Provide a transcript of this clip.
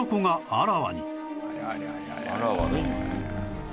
あらわだね。